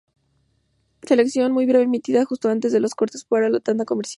Sección muy breve emitida justo antes de los cortes para la tanda comercial.